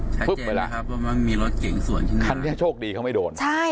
ชัดเจนนะครับว่ามันมีรถเก่งส่วนขึ้นมาท่านเนี้ยโชคดีเขาไม่โดนใช่